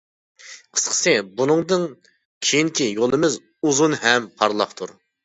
قىسقىسى، بۇنىڭدىن كېيىنكى يولىمىز ئۇزۇن ھەم پارلاقتۇر!